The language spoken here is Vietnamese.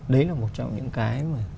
đấy là một trong những cái